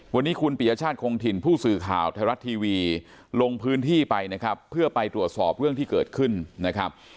วันนี้คุณปียชาติคงถิ่นผู้สื่อข่าวไทยรัฐทีวีลงพื้นที่ไปนะครับเพื่อไปตรวจสอบเรื่องที่เกิดขึ้นนะครับ